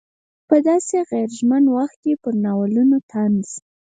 په داسې غیر ژمن وخت کې پر ناولونو طنز.